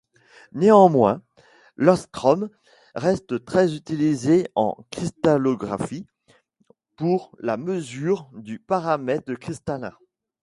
Néanmoins, l'ångström reste très utilisé en cristallographie pour la mesure du paramètre cristallin.